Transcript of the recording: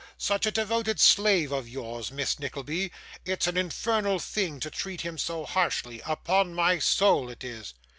Such a devoted slave of yours, Miss Nickleby it's an infernal thing to treat him so harshly, upon my soul it is.